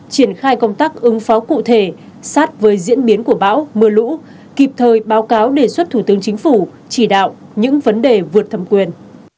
triển khai công tác ứng phó cụ thể sát với diễn biến của bão mưa lũ kịp thời báo cáo đề xuất thủ tướng chính phủ chỉ đạo những vấn đề vượt thẩm quyền